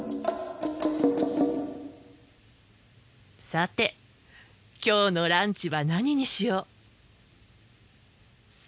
さて今日のランチは何にしよう。